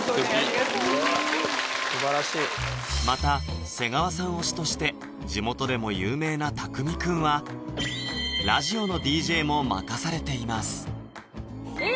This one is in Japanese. すてきすばらしいまた瀬川さん推しとして地元でも有名なたくみくんはラジオのＤＪも任されていますえ！